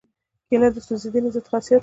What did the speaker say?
کېله د سوځېدنې ضد خاصیت لري.